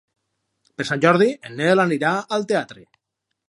Per Sant Jordi en Nel anirà al teatre.